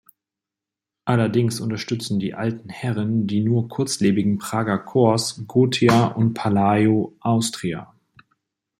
Allerdings unterstützten die Alten Herren die nur kurzlebigen Prager Corps Gothia und Palaio-Austria.